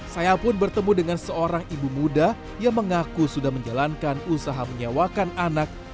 saya pun bertemu dengan seorang ibu muda yang mengaku sudah menjalankan usaha menyewakan anak